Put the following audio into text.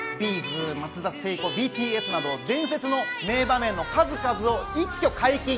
’ｚ、松田聖子、ＢＴＳなど伝説の名場面の数々を一挙解禁。